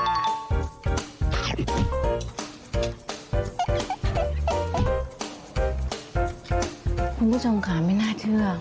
คุณผู้ชมค่ะไม่น่าเชื่อ